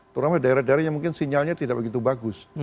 terutama daerah daerah yang mungkin sinyalnya tidak begitu bagus